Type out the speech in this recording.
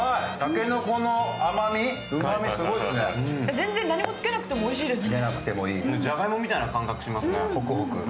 全然何もつけなくてもいいですね。